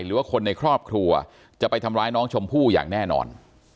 หรือว่าคนในครอบครัวจะไปทำร้ายน้องชมพู่อย่างแน่นอน